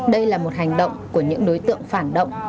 đây là một hành động của những đối tượng phản động